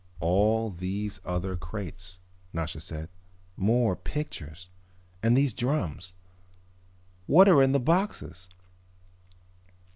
"All these other crates," Nasha said. "More pictures. And these drums. What are in the boxes?"